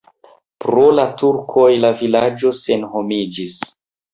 Pro la turkoj la vilaĝo senhomiĝis.